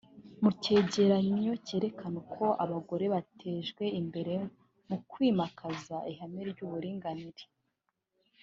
Mu cyegeranyo cyerekana uko abagore batejwe imbere mu kwimakaza ihame ry’uburinganire